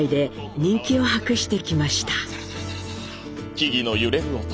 木々の揺れる音。